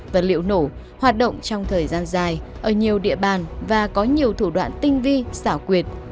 vật liệu nổ hoạt động trong thời gian dài ở nhiều địa bàn và có nhiều thủ đoạn tinh vi xảo quyệt